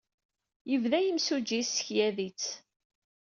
Yebda yimsujji yessekyad-itt.